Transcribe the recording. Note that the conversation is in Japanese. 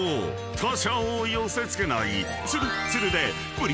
他社を寄せ付けない］